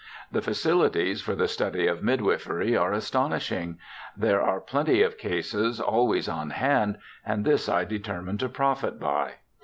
The facilities for the study of midwifery are astonishing; there are plenty of cases always on hand, and this AN ALABAMA STUDENT 7 I determined to profit by.'